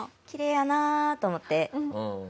きれいやなあと思って。